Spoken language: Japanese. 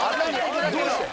どうして？